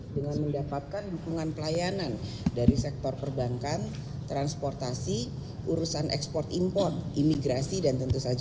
dengan mendapatkan hukuman pelayanan dari sektor perbanan